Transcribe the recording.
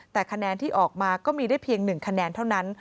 แต่คะแนนที่ออกมาก็มีได้เพียง๑คะแนนเท่านั้น